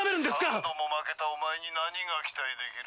⁉三度も負けたお前に何が期待できる？